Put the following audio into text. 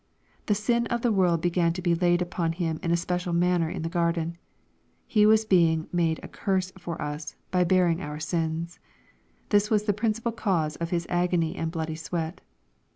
The sin of the world began to be laid upon Him in a special manner in the garden. He was being " made a curse" for us, by bearing our sins. This was the principal cause of Hia agony and bloody sweat.